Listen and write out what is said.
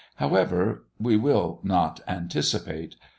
However, we will not anticipate.